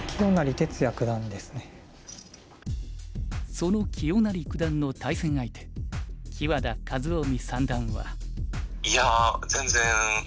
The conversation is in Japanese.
その清成九段の対戦相手木和田一臣三段は。